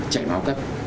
chạy vào cấp